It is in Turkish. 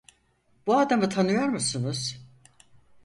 Bu adamı tanıyor musunuz?